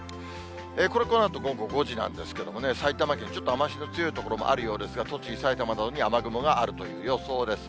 これ、このあと午後５時なんですけれども、埼玉県、ちょっと雨足の強い所もあるようですが、栃木、埼玉などに雨雲があるという予想です。